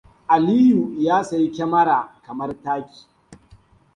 Aliyu ya sa yi kyamara kamar taki.